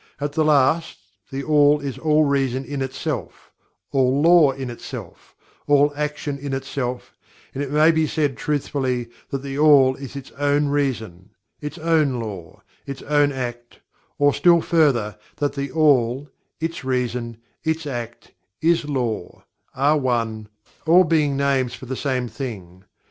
At the last, THE ALL is All Reason in Itself; All Law in Itself; All Action in Itself and it may be said, truthfully, that THE ALL is Its Own Reason; its own Law; its own Act or still further, that THE ALL; Its Reason; Its Act; is Law; are ONE, all being names for the same thing.